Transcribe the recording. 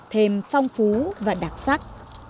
thêm phong phú và đặc sắc